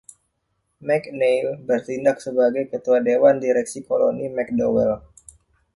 MacNeil bertindak sebagai Ketua Dewan Direksi Koloni MacDowell.